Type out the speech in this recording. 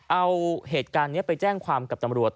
เอาเหตุการณ์นี้ไปแจ้งความกับตำรวจ